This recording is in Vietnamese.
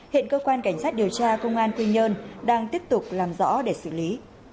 hiện cơ quan cảnh sát điều tra công an quy nhơn đang tiếp tục làm rõ để xử lý